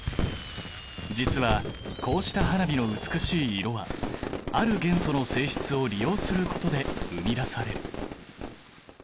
実はこうした花火の美しい色はある元素の性質を利用することで生み出される。